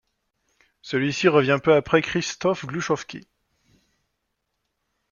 Celui-ci revient peu après à Krzysztof Głuchowski.